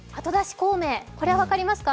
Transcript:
これは分かりますか？